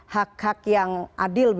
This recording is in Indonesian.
hak hak yang adil